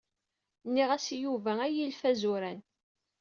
Nniɣ-as i Yuba a ilef azuran.